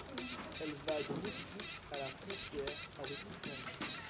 Elle va de Moscou à la frontière avec l'Ukraine.